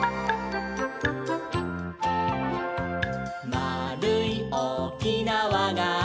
「まあるいおおきなわがあれば」